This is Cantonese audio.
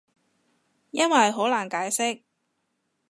因為好難解釋